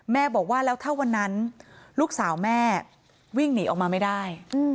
บอกว่าแล้วถ้าวันนั้นลูกสาวแม่วิ่งหนีออกมาไม่ได้